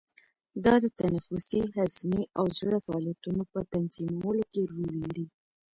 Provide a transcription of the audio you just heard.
دا د تنفسي، هضمي او زړه فعالیتونو په تنظیمولو کې رول لري.